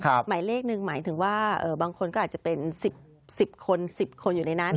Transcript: หมายเลขหนึ่งหมายถึงว่าบางคนก็อาจจะเป็น๑๐คน๑๐คนอยู่ในนั้น